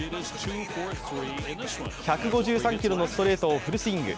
１５３キロのストレートをフルスイング。